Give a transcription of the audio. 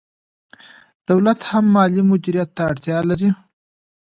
دولت هم مالي مدیریت ته اړتیا لري.